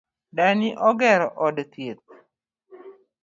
Dani ogero od thieth